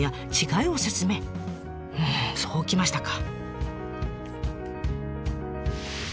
うんそうきましたか！